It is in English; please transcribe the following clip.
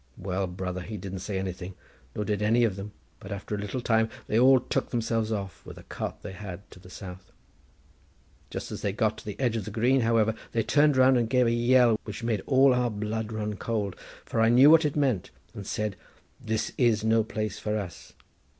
Well, brother, he didn't say anything, nor did any of them, but after a little time they all took themselves off, with a cart they had, to the south. Just as they got to the edge of the green, however, they turned round and gave a yell which made all our blood cold. I knew what it meant, and said, 'This is no place for us.